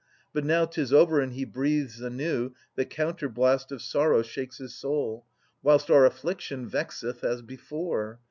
But now 'tis over and he breathes anew, The counterblast of sorrow shakes his soul, Whilst our affliction vexeth as before.